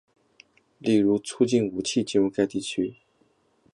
例如促进武器进入该地区。